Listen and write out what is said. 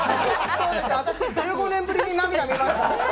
私、１５年ぶりに涙を見ました。